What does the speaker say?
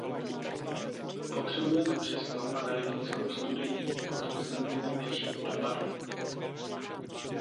Potřebujeme přesnou analytickou studii, potvrzení vedlejších dopadů.